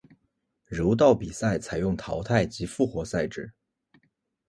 柔道比赛采用淘汰及复活赛制。